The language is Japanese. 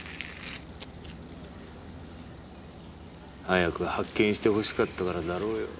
早く発見してほしかったからだろうよ。